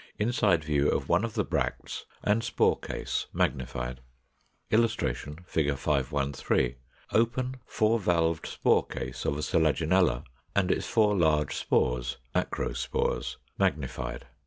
Inside view of one of the bracts and spore case, magnified.] [Illustration: Fig. 513. Open 4 valved spore case of a Selaginella, and its four large spores (macrospores), magnified.